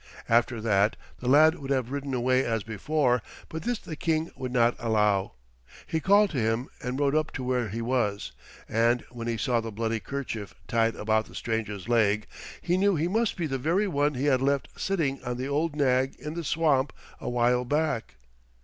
After that the lad would have ridden away as before, but this the King would not allow. He called to him and rode up to where he was, and when he saw the bloody kerchief tied about the stranger's leg he knew he must be the very one he had left sitting on the old nag in the swamp awhile back.